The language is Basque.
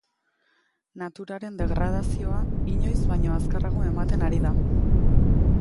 Naturaren degradazioa inoiz baino azkarrago ematen ari da.